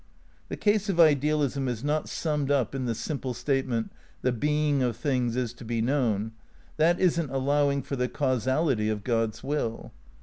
The case of idealism is not summed up in the simple statement : The being of things is to he known. That isn't allowing for the causality of God's Will.